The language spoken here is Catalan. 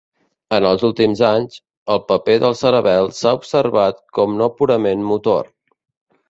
En els últims anys, el paper del cerebel s"ha observat com no purament motor.